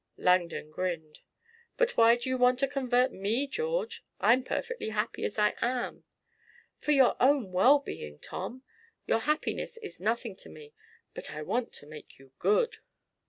Langdon grinned. "But why do you want to convert me, George? I'm perfectly happy as I am." "For your own well being, Tom. Your happiness is nothing to me, but I want to make you good."